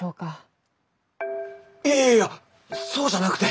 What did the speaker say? いやいやいやそうじゃなくて。